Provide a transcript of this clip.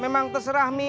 memang teserah mi